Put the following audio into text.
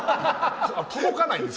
届かないんです。